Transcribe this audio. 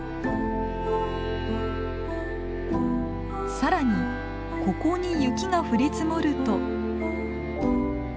更にここに雪が降り積もると。